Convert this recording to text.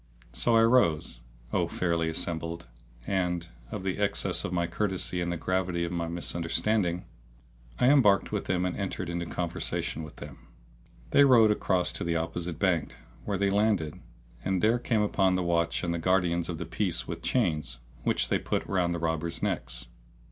So I rose, O fair assembly; and, of the excess of my courtesy and the gravity of my understanding, I embarked with them and entered into conversation with them. They rowed across to the opposite bank, where they landed and there came up the watch and guardians of the peace with chains, which they put round the robbers' necks.